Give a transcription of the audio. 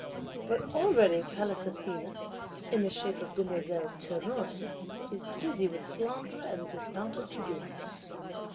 But already Pallas Athene (in the shape of Demoiselle Théroigne) is busy with Flandre and the dismounted Dragoons.